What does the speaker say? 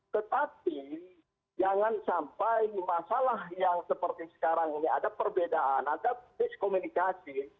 tetapi jangan sampai masalah yang seperti sekarang ini ada perbedaan ada miskomunikasi